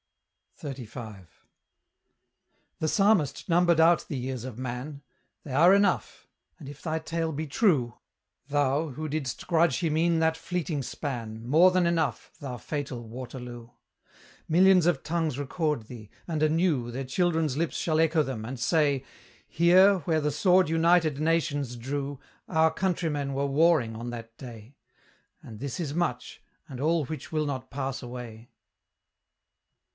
XXXV. The Psalmist numbered out the years of man: They are enough: and if thy tale be TRUE, Thou, who didst grudge him e'en that fleeting span, More than enough, thou fatal Waterloo! Millions of tongues record thee, and anew Their children's lips shall echo them, and say, 'Here, where the sword united nations drew, Our countrymen were warring on that day!' And this is much, and all which will not pass away.